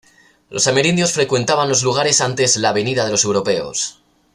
Los amerindios frecuentaban los lugares antes la venida de los europeos.